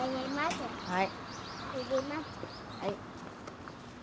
はい。